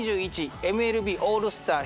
ＭＬＢオールスター